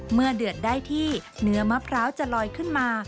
เดือดได้ที่เนื้อมะพร้าวจะลอยขึ้นมา